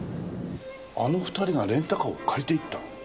あの２人がレンタカーを借りていった？